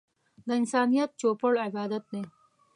د انسانيت چوپړ عبادت دی.